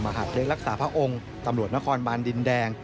หาดเล็กรักษาพระองค์ตำรวจนครบานดินแดง